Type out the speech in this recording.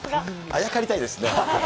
あやかりたいですね。